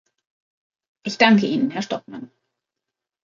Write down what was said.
Ich danke Ihnen, Herr Stockmann.